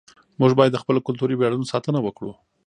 موږ باید د خپلو کلتوري ویاړونو ساتنه وکړو.